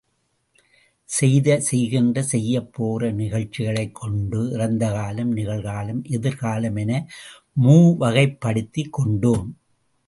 செய்த செய்கின்ற செய்யப்போகிற நிகழ்ச்சிகளைக் கொண்டு இறந்தகாலம், நிகழ்காலம், எதிர்காலம் என மூவகைப்படுத்திக் கொண்டோம்.